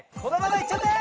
「イっちゃってー！」。